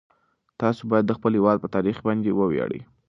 تاسو باید د خپل هیواد په تاریخ باندې وویاړئ.